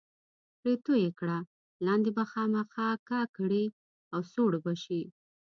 پرې توی یې کړه، لاندې به خامخا کا کړي او سوړ به شي.